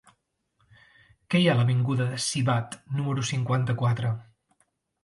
Què hi ha a l'avinguda de Sivatte número cinquanta-quatre?